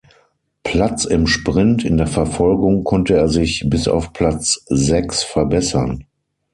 Platz im Sprint, in der Verfolgung konnte er sich bis auf Platz sechs verbessern.